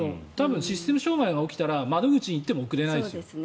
システム障害が起きたら窓口に行っても送れないですよ。